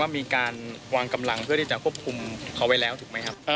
มีการวางกำลังเพื่อที่จะควบคุมเขาไว้แล้วถูกไหมครับ